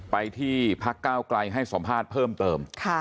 ไปที่พักก้าวไกลให้สัมภาษณ์เพิ่มเติม